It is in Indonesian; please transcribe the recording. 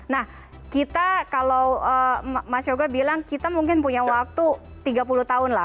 nah kita kalau mas yoga bilang kita mungkin punya waktu tiga puluh tahun lah